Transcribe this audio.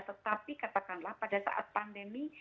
tetapi katakanlah pada saat pandemi